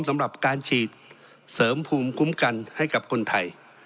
สำหรับการฉีดเสริมภูมิคุ้มกันให้กับคนไทย